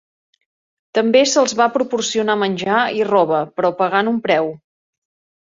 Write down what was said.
També se'ls va proporcionar menjar i roba, però pagant un preu.